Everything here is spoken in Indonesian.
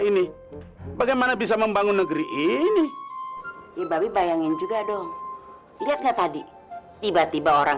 ini bagaimana bisa membangun negeri ini ibabi bayangin juga dong lihatlah tadi tiba tiba orang